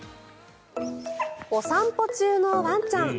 お散歩中のワンちゃん。